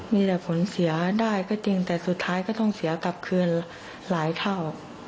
มีแต่ผลเสียได้ก็จริงแต่สุดท้ายก็ต้องเสียกลับคืนหลายเท่า